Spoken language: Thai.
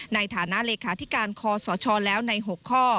ในฐานะเลขาธิการคอสชแล้วใน๖ข้อ